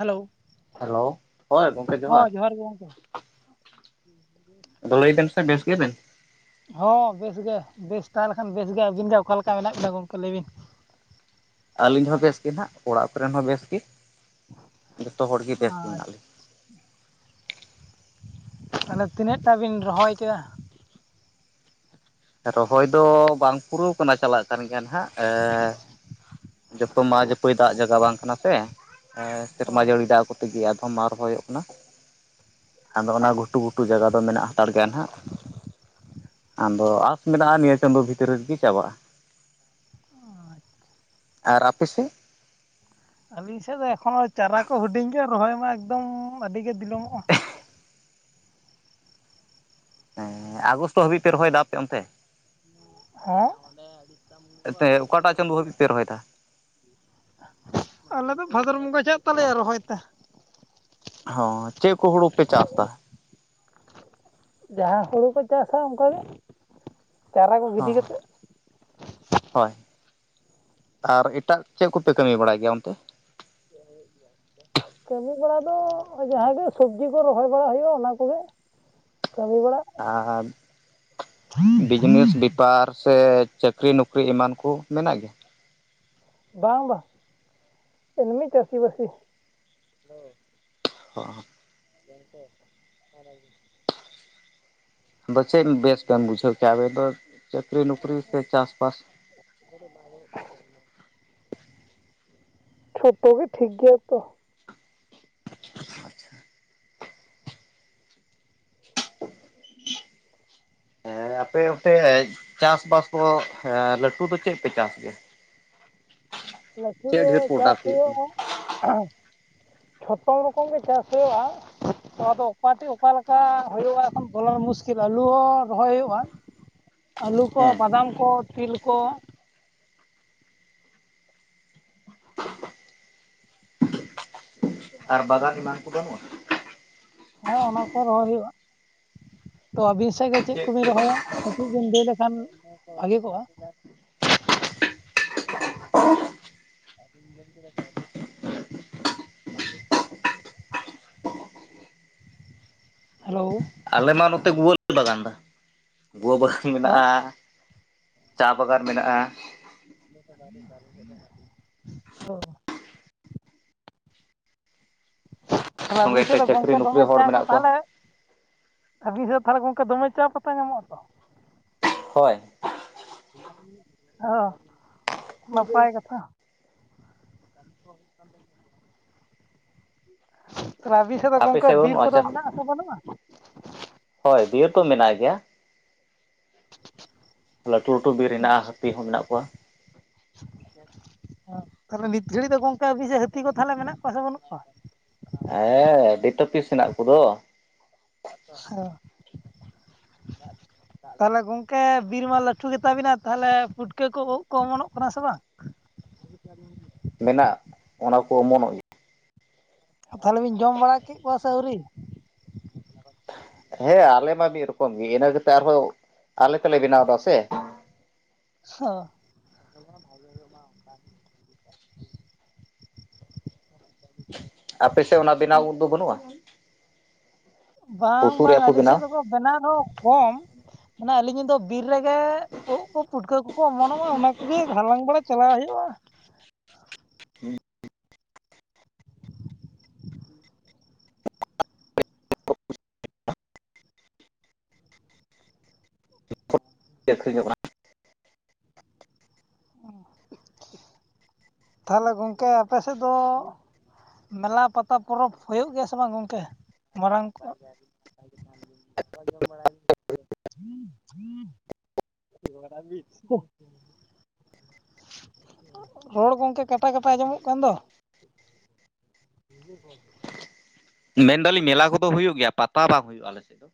Hello hello ᱦᱳᱭ ᱜᱚᱢᱠᱮ ᱦᱚᱸ ᱡᱚᱦᱟᱨ ᱜᱮ ᱜᱚᱢᱠᱮ ᱟᱫᱚ ᱞᱟᱹᱭ ᱵᱮᱱ ᱥᱮ ᱵᱮᱥ ᱜᱮᱭᱟᱵᱮᱱ ᱦᱚᱸ ᱵᱮᱥ ᱜᱮ ᱵᱮᱥ ᱛᱟᱦᱮ ᱞᱮᱠᱷᱟᱱ ᱵᱮᱥ ᱜᱮ ᱟᱵᱤᱱ ᱚᱠᱟᱞᱮ ᱞᱮᱠᱟ ᱢᱮᱱᱟᱜ ᱵᱤᱱᱟ ᱜᱚᱝᱠᱮ ᱞᱟᱹᱭ ᱵᱤᱱ ᱟᱹᱞᱤᱧ ᱦᱚᱸ ᱵᱮᱥ ᱜᱮ ᱱᱟᱦᱟᱜ ᱚᱲᱟᱜ ᱠᱚᱨᱮᱱ ᱦᱚᱸ ᱵᱮᱥ ᱜᱮ ᱡᱚᱛᱚ ᱦᱚᱲᱜᱮ ᱵᱮᱥ ᱜᱮ ᱟᱪᱪᱷᱟ ᱢᱮᱱᱟᱜ ᱞᱤᱧ ᱢᱟᱱᱮ ᱛᱤᱱᱟᱹᱜ ᱴᱟᱜ ᱵᱤᱱ ᱨᱚᱦᱚᱭ ᱠᱮᱫᱟ ᱨᱚᱦᱚᱭ ᱫᱚ ᱵᱟᱝ ᱯᱩᱨᱟᱹᱣ ᱠᱟᱱᱟ ᱪᱟᱞᱟᱜ ᱠᱟᱱ ᱜᱮᱭᱟ ᱱᱟᱦᱟᱜ ᱮ ᱡᱚᱛᱚ ᱢᱟ ᱡᱚᱛᱚ ᱫᱟᱜ ᱡᱟᱭᱜᱟ ᱵᱟᱝ ᱠᱟᱱᱟ ᱥᱮ ᱦᱮ ᱚ ᱥᱮᱨᱢᱟ ᱡᱟᱹᱲᱤ ᱫᱟᱜ ᱠᱚ ᱛᱮᱜᱮ ᱟᱫᱚᱢ ᱢᱟᱴ ᱨᱚᱦᱚᱭᱚᱜ ᱠᱟᱱᱟ ᱟᱫᱚ ᱚᱱᱟ ᱜᱷᱩᱴᱩ ᱜᱷᱩᱴᱩ ᱡᱟᱭᱜᱟ ᱫᱚ ᱢᱮᱱᱟᱜ ᱦᱟᱛᱟᱲ ᱜᱮᱭᱟ ᱱᱟᱦᱟᱜ ᱟᱫᱚ ᱟᱥ ᱢᱮᱱᱟᱜ-ᱟ ᱱᱤᱭᱟᱹ ᱪᱟᱸᱫᱳ ᱵᱷᱤᱛᱨᱤ ᱨᱮᱜᱮ ᱪᱟᱵᱟᱜ-ᱟ ᱚᱻ ᱟᱪᱪᱷᱟ ᱟᱨ ᱟᱯᱮ ᱥᱮᱫ ᱟᱹᱞᱤᱧ ᱥᱮᱫ ᱫᱚ ᱮᱠᱷᱚᱱᱚ ᱪᱟᱨᱟ ᱠᱚ ᱦᱩᱰᱤᱧ ᱜᱮ ᱨᱚᱦᱚᱭ ᱢᱟ ᱮᱠᱫᱚᱢ ᱟᱹᱰᱤ ᱜᱮ ᱵᱤᱞᱚᱢᱚᱜ-ᱟ ᱦᱮᱸ ᱟᱜᱚᱥᱴᱚ ᱦᱟᱹᱵᱤᱡ ᱯᱮ ᱨᱚᱦᱚᱭ ᱫᱟ ᱟᱯᱮ ᱚᱱᱛᱮ ᱦᱚᱸ ᱮᱛᱮ ᱚᱠᱟᱴᱟᱜ ᱪᱟᱸᱫᱳ ᱦᱟᱹᱵᱤᱡ ᱯᱮ ᱨᱚᱦᱚᱭ ᱫᱟ ᱟᱞᱮ ᱫᱚ ᱵᱷᱟᱫᱚᱨ ᱵᱚᱸᱜᱟ ᱪᱟᱜ ᱛᱟᱞᱮᱭᱟ ᱨᱚᱦᱚᱭ ᱛᱮ ᱦᱚᱸ ᱪᱮᱫ ᱠᱚ ᱦᱳᱲᱳ ᱯᱮ ᱪᱟᱥ ᱫᱟ ᱡᱟᱦᱟ ᱦᱳᱲᱩ ᱠᱚ ᱪᱟᱥᱟ ᱚᱝᱠᱟᱜᱮ ᱪᱟᱨᱟ ᱠᱚ ᱜᱤᱰᱤ ᱠᱟᱛᱮᱜ ᱚ ᱟᱨ ᱮᱴᱟᱜ ᱪᱮᱫ ᱠᱚᱯᱮ ᱠᱟᱹᱢᱤ ᱵᱟᱲᱟᱭ ᱜᱮᱭᱟ ᱚᱱᱛᱮ [unintelligible] ᱠᱟᱹᱢᱤ ᱵᱟᱲᱟ ᱫᱚ ᱡᱟᱦᱟ ᱜᱮ ᱥᱚᱵᱽᱡᱤ ᱠᱚ ᱨᱚᱦᱚᱭ ᱵᱟᱲᱟ ᱦᱩᱭᱩᱜ-ᱟ ᱚᱱᱟ ᱠᱚᱜᱮ ᱠᱟᱹᱢᱤ ᱵᱟᱲᱟ ᱟᱨ ᱵᱤᱡᱽᱱᱮᱥ ᱵᱤ ᱵᱟᱨ ᱥᱮ ᱪᱟᱠᱨᱤ ᱱᱚᱠᱨᱤ ᱮᱢᱟᱱ ᱠᱚ ᱢᱮᱱᱟᱜ ᱜᱮ ᱵᱟᱝ ᱵᱟ ᱮᱢᱱᱤ ᱪᱟᱥᱤ ᱵᱟᱥᱤ ᱚᱻ ᱜᱚᱝᱠᱮ [unintelligible] ᱟᱫᱚ ᱪᱮᱜ ᱵᱮᱥ ᱵᱮᱱ ᱵᱩᱡᱷᱟᱹᱣ ᱠᱮᱜᱟ ᱟᱵᱮ ᱫᱚ ᱪᱟᱠᱨᱤ ᱱᱚᱠᱨᱤ ᱥᱮ ᱪᱟᱥ ᱵᱟᱥ [unintelligible] ᱡᱷᱚᱛᱚ ᱜᱮ ᱴᱷᱤᱠ ᱜᱮᱭᱟ ᱛᱚ ᱟᱪᱪᱷᱟ [unintelligible] ᱦᱮᱸ ᱟᱯᱮ ᱚᱱᱛᱮ ᱪᱟᱥ ᱵᱟᱥ ᱫᱚ ᱞᱟᱹᱴᱩ ᱫᱚ ᱪᱮᱫ ᱯᱮ ᱪᱟᱥ ᱜᱮᱭᱟ [unintelligible] ᱞᱟᱹᱴᱩ ᱪᱮᱫ ᱫᱚ ᱰᱷᱮᱨ ᱪᱟᱥ ᱯᱨᱚᱰᱟᱠᱴ ᱦᱩᱭᱩᱜ ᱠᱟᱱᱟ? ᱦᱩᱭᱩᱜ-ᱟ ᱡᱷᱚᱛᱚ ᱨᱚᱠᱚᱢ ᱜᱮ ᱪᱟᱥ ᱦᱩᱭᱩᱜ-ᱟ ᱟᱫᱚ ᱚᱠᱟ ᱴᱤᱜ ᱚᱠᱟᱞᱮᱠᱟ ᱦᱳᱭᱳᱜ-ᱟ ᱮᱠᱷᱚᱱ ᱵᱚᱞᱟᱨ ᱢᱩᱥᱠᱤᱞ ᱟᱹᱞᱩ ᱦᱚᱸ ᱨᱚᱦᱚᱭ ᱦᱳᱭᱳᱜ-ᱟ [unintelligible] ᱟᱹᱞᱩ ᱠᱚ ᱦᱮᱸ ᱵᱟᱫᱟᱢ ᱠᱚ ᱛᱤᱞ ᱠᱚ ᱟᱨ ᱵᱟᱜᱟᱱ ᱮᱢᱟᱱ ᱠᱚ ᱵᱟᱱᱩᱜᱼᱟ ᱦᱮᱸ ᱚᱱᱟ ᱠᱚ ᱨᱚᱦᱚᱭ ᱦᱩᱭᱩᱜᱼᱟ ᱛᱚ ᱟᱹᱵᱤᱱ ᱥᱮᱫ ᱜᱮ ᱪᱮᱫ ᱠᱚᱵᱤᱱ ᱯᱮ ᱨᱚᱦᱚᱭᱟ ᱵᱟᱜᱟᱱ? ᱠᱟᱹᱡ ᱵᱤᱱ ᱞᱮ ᱞᱮᱠᱷᱟᱱ ᱵᱷᱟᱜᱮ ᱠᱚᱜᱼᱟ [unintelligible] ᱦᱮᱞᱳ ᱟᱞᱮ ᱢᱟ ᱱᱚᱛᱮ ᱜᱩᱣᱟᱹᱞᱮ ᱵᱟᱜᱟᱱ ᱫᱟ ᱜᱩᱣᱟᱹ ᱵᱟᱜᱟᱱ ᱦᱚᱸ ᱢᱮᱱᱟᱜᱼᱟ ᱪᱟ ᱵᱟᱜᱟᱱ ᱢᱮᱱᱟᱜᱼᱟ [inaudible] ᱛᱟᱦᱚᱞᱮ ᱥᱚᱸᱜᱮ ᱵᱤᱥᱮᱫ ᱛᱮ ᱫᱚ ᱪᱟᱹᱠᱨᱤ ᱜᱚᱝᱠᱮ ᱱᱚᱠᱨᱤ ᱫᱚᱢᱮ ᱦᱚᱲ ᱪᱟ ᱠᱚ ᱢᱮᱱᱟᱜ ᱠᱚᱣᱟ᱾ ᱛᱟᱦᱚᱞᱮ ᱟᱹᱵᱤᱱ ᱥᱮᱫ ᱛᱟᱦᱚᱞᱮ ᱜᱚᱢᱠᱮ ᱫᱚᱢᱮ ᱪᱟ ᱯᱟᱛᱟ ᱧᱟᱢᱚᱜᱼᱟ ᱛᱚ ᱦᱚᱭ ᱚᱸ ᱱᱟᱯᱟᱭ ᱠᱟᱛᱷᱟ ᱛᱟᱦᱚᱞᱮ ᱟᱹᱵᱤᱱ ᱥᱮᱜ ᱫᱚ ᱟᱯᱮ ᱜᱚᱝᱠᱮ ᱥᱮᱫ ᱵᱤᱨ ᱵᱟᱹᱱᱩᱜᱼᱟ ᱠᱚᱫᱚ ᱪᱟ ᱢᱮᱱᱟᱜ ᱟᱥᱮ ᱵᱟᱹᱱᱩᱜᱼᱟ ᱦᱳᱭ ᱵᱤᱨ ᱫᱚ ᱢᱮᱱᱟᱜ ᱜᱮᱭᱟ ᱞᱟᱹᱴᱩ ᱞᱟᱹᱴᱩ ᱵᱤᱨ ᱦᱮᱱᱟᱜᱼᱟ ᱦᱟᱹᱛᱤ ᱦᱚᱸ ᱢᱮᱱᱟᱜ ᱠᱚᱣᱟ ᱛᱟᱦᱞᱮ ᱱᱤᱛ ᱜᱷᱟᱹᱲᱤ ᱫᱚ ᱜᱚᱝᱠᱮ ᱟᱵᱤ ᱥᱮᱫ ᱦᱟᱹᱛᱤ ᱠᱚ ᱛᱟᱦᱚᱞᱮ ᱢᱮᱱᱟᱜ ᱠᱚᱣᱟ ᱥᱮ ᱵᱟᱹᱱᱩᱜ ᱠᱚᱣᱟ ᱮ ᱰᱮᱴᱟ ᱯᱤᱥ ᱦᱮᱱᱟᱜ ᱠᱚᱫᱚ [unintelligible] [inaudible] ᱛᱟᱦᱚᱞᱮ ᱜᱚᱝᱠᱮ ᱵᱤᱨ ᱢᱟ ᱞᱟᱹᱴᱩ ᱜᱮᱛᱟ ᱵᱤᱱᱟ ᱛᱟᱦᱚᱞᱮ ᱯᱩᱴᱠᱟᱹ ᱠᱚ ᱳᱫ ᱠᱚ ᱚᱢᱚᱱᱚᱜ ᱠᱟᱱᱟ ᱥᱮ ᱵᱟᱝ ᱢᱮᱱᱟᱜ-ᱟᱚᱱᱟ ᱠᱚ ᱚᱢᱚᱱᱚᱜ ᱜᱮᱭᱟ ᱛᱟᱦᱚᱞᱮ ᱵᱮᱱ ᱡᱚᱢ ᱵᱟᱲᱟ ᱠᱮᱫ ᱠᱚᱣᱟ ᱥᱮ ᱟᱹᱣᱨᱤ ᱦᱮᱸ ᱟᱞᱮ ᱢᱟ ᱢᱤᱫ ᱨᱚᱠᱚᱢ ᱜᱮ ᱤᱱᱟᱹ ᱠᱟᱛᱮ ᱟᱨᱦᱚᱸ ᱟᱞᱮ ᱛᱮᱞᱮ ᱵᱮᱱᱟᱣ ᱮᱫᱟ ᱥᱮ ᱚᱸ ᱵᱷᱟᱭ ᱢᱟ ᱚᱱᱠᱟ [inaudible] [inaudible] ᱟᱯᱮ ᱥᱮᱫ ᱚᱱᱟ ᱵᱮᱱᱟᱣ ᱳᱫ ᱫᱚ ᱵᱟᱹᱱᱩᱜᱼᱟ ᱵᱟᱝ ᱩᱥᱩ ᱵᱟᱝ ᱨᱮᱭᱟᱜ ᱟᱹᱞᱤᱧ ᱵᱮᱱᱟᱣ ᱥᱮᱫ ᱫᱚ ᱠᱚ ᱵᱮᱱᱟᱣ ᱨᱮᱦᱚᱸ ᱠᱚᱢ ᱚᱱᱟ ᱟᱹᱞᱤᱧ ᱫᱚ ᱵᱤᱨ ᱨᱮᱜᱮ ᱳᱫ ᱠᱚ ᱯᱩᱴᱠᱟᱹ ᱠᱚ-ᱠᱚ ᱚᱢᱚᱱᱚᱜᱼᱟ ᱚᱱᱟᱠᱚᱜᱮ ᱦᱟᱞᱟᱝ ᱵᱟᱲᱟ ᱪᱟᱞᱟᱣ ᱦᱩᱭᱩᱜᱼᱟ ᱪᱮᱫ ᱟᱹᱠᱷᱨᱤᱧᱚᱜ ᱠᱟᱱᱟ ᱚ ᱴ [inaudible] ᱛᱟᱦᱚᱞᱮ ᱜᱚᱝᱠᱮ ᱟᱯᱮᱥᱮᱫ ᱫᱚ ᱢᱮᱞᱟ ᱯᱟᱛᱟ ᱯᱚᱨᱚᱵᱽ ᱦᱩᱭᱩᱜ ᱜᱮᱭᱟ ᱥᱮ ᱵᱟᱝ ᱜᱚᱝᱠᱮ ᱢᱟᱨᱟᱝ ᱠᱚ ᱫᱟᱠᱟ ᱡᱚᱢ ᱵᱟᱲᱟᱭ ᱦ ᱦ [inaudible] [inaudible] ᱨᱚᱲ ᱜᱚᱝᱠᱮ ᱠᱟᱴᱟ ᱠᱟᱴᱟ ᱟᱸᱡᱚᱢ ᱚᱜ ᱠᱟᱱ ᱫᱚ ᱵ ᱠᱚ [inaudible] ᱢᱮᱱ ᱫᱟᱞᱤᱧ ᱢᱮᱞᱟ ᱠᱚ ᱫᱚ ᱦᱩᱭᱩᱜ ᱜᱮᱭᱟ ᱯᱟᱛᱟ ᱵᱟᱝ ᱦᱩᱭᱩᱜᱼᱟ ᱟᱞᱮᱥᱮᱫ ᱫᱚ